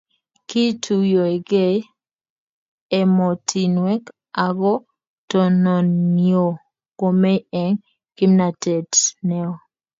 kiituyokei emotinwek ako tononio komie eng' kimnatet neo